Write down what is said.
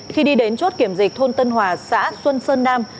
khi đi đến chốt kiểm dịch thôn tân hòa xã xuân sơn nam